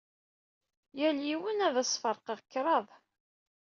Yal yiwen ad as-ferqeɣ kraḍ.